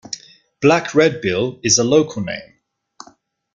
Black redbill is a local name.